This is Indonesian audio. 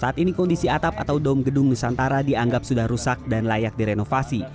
saat ini kondisi atap atau dom gedung nusantara dianggap sudah rusak dan layak direnovasi